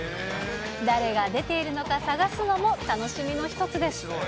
誰が出ているのか探すのも楽しみの一つです。